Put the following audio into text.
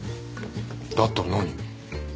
だったら何？